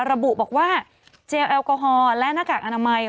ระบุบอกว่าเจลแอลกอฮอลและหน้ากากอนามัย